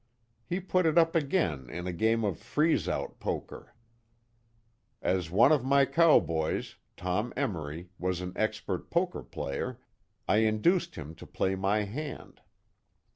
He put it up again in a game of "freeze out" poker. As one of my cowboys, Tom Emory, was an expert poker player, I induced him to play my hand.